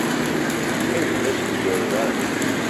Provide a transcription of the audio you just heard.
کهوی دهشتی بێورانه